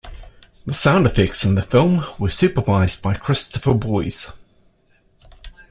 The sound effects in the film were supervised by Christopher Boyes.